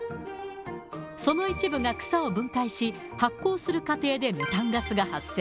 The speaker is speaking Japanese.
その一部が草を分解し、発酵する過程でメタンガスが発生。